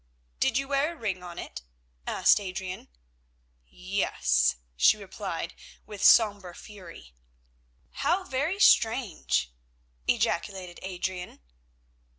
"Did you wear a ring on it?" asked Adrian. "Yes," she replied, with sombre fury. "How very strange!" ejaculated Adrian.